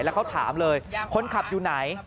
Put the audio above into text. แล้วเขาถามเลยคนขับอยู่ไหน